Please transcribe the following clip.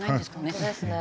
本当ですね。